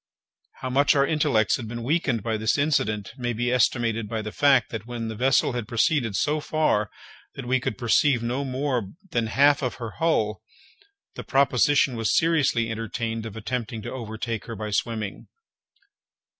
How much our intellects had been weakened by this incident may be estimated by the fact, that when the vessel had proceeded so far that we could perceive no more than the half of her hull, the proposition was seriously entertained of attempting to overtake her by swimming!